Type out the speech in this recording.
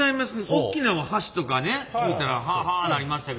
大きな橋とかね聞いたら「はは」なりましたけど。